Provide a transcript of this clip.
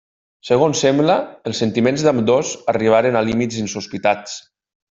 Segons sembla, els sentiments d'ambdós arribaren a límits insospitats.